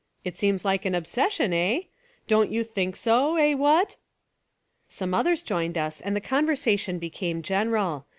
It seems like an obsession, eh? Don't you think so, eh, what?" Some others joined us and the conversation became general.